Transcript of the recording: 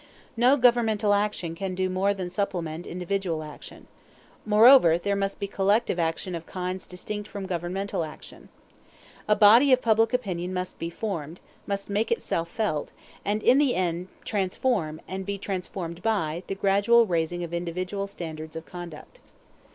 No governmental action can do more than supplement individual action. Moreover, there must be collective action of kinds distinct from governmental action. A body of public opinion must be formed, must make itself felt, and in the end transform, and be transformed by, the gradual raising of individual standards of conduct.